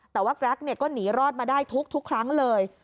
แต่ว่าแกรกก็หนีรอดมาได้ทุกครั้งเลย